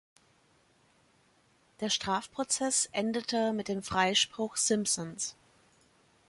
Der Strafprozess endete mit dem Freispruch Simpsons.